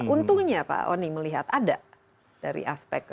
untungnya pak oni melihat ada dari aspek